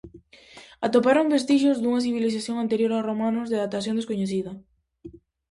Atoparon vestixios dunha civilización anterior aos romanos, de datación descoñecida.